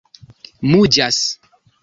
muĝas